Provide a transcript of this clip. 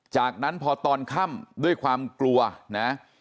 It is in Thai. จากนั้นพอตอนค่ำด้วยความกลัวนะ